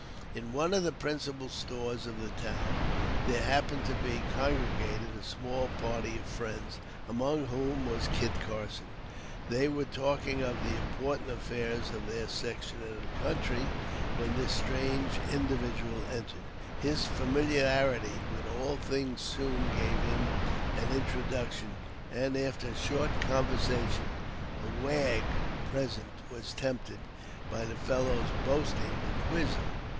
In one of the principal stores of the town, there happened to be congregated a small party of friends, among whom was Kit Carson. They were talking of the important affairs of their section of country, when this strange individual entered. His familiarity with all things soon gave him an introduction; and, after a short conversation, a wag present was tempted, by the fellow's boasting, to quiz him.